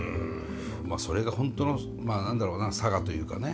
まあそれが本当の何だろうな性というかね